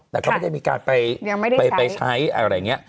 แต่ก็ไม่ได้มีการไปใช้อะไรอย่างนี้